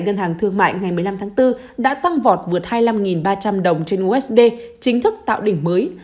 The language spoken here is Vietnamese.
ngân hàng thương mại ngày một mươi năm tháng bốn đã tăng vọt vượt hai mươi năm ba trăm linh đồng trên usd chính thức tạo đỉnh mới